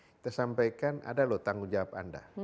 kita sampaikan ada loh tanggung jawab anda